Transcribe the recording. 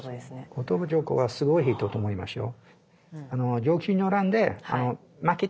後鳥羽上皇はすごい人と思いますよ。